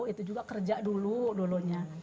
itu juga kerja dulu dulunya